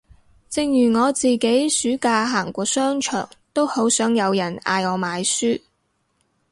正如我自己暑假行過商場都好想有人嗌我買書